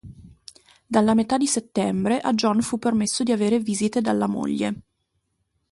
Dalla metà di settembre a John fu permesso di avere visite dalla moglie.